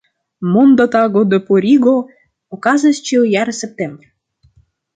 Monda Tago de Purigo okazas ĉiujare septembre.